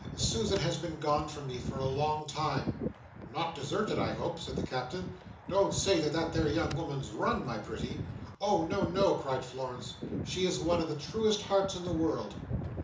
Susan has been gone from me a long time." "Not deserted, I hope?" said the Captain. "Don't say that that there young woman's run, my pretty!" "Oh, no, no!" cried Florence. "She is one of the truest hearts in the world!"